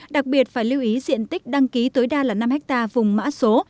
đặc biệt phải lưu ý diện tích đăng ký tối đa là năm ha vùng mã số